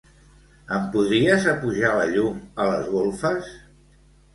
Em podries apujar la llum a les golfes?